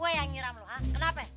gua yang nyeram lu kenapa